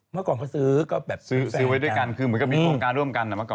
เมื่อก่อนเขาซื้อซื้อไว้ด้วยกันเหมือนมีโครงการร่วมกัน